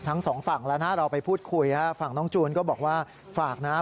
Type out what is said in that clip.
ทั้งสองฝั่งแล้วนะเราไปพูดคุยฮะฝั่งน้องจูนก็บอกว่าฝากนะ